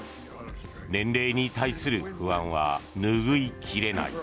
年齢に対する不安は拭いきれない。